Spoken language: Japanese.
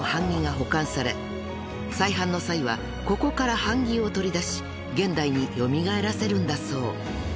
［再版の際はここから版木を取り出し現代に蘇らせるんだそう］